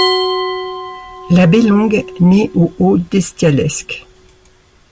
La Baylongue naît au Haut-d'Estialescq.